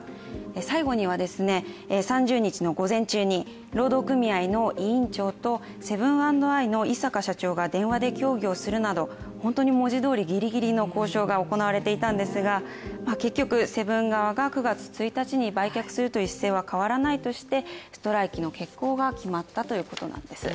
最後には３０日の午前中に労働組合の委員長とセブン＆アイの井阪社長が電話で協議するなど本当に文字どおりギリギリの交渉が行われていたんですが結局、セブン側が９月１日に売却するという姿勢は変わらないとしてストライキの決行が決まったということなんです。